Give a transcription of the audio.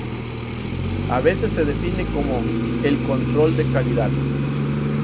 A veces se define como "el control de calidad".